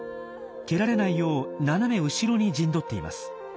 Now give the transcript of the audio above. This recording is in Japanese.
蹴られないよう斜め後ろに陣取っています。